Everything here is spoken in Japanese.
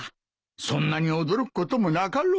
そんなに驚くこともなかろう。